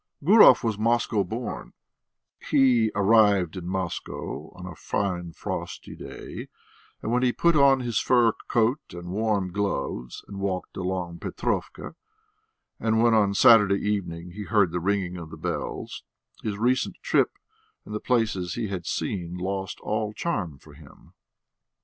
Gurov was Moscow born; he arrived in Moscow on a fine frosty day, and when he put on his fur coat and warm gloves, and walked along Petrovka, and when on Saturday evening he heard the ringing of the bells, his recent trip and the places he had seen lost all charm for him.